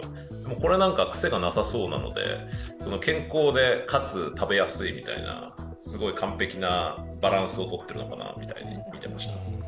これなんかクセがなさそうなので、健康でかつ食べやすいみたいな、すごく完璧なバランスをとっているのかなと見ていました。